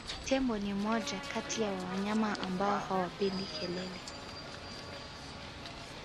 Tembo ni moja kati ya wanyama ambao hawapendi kelele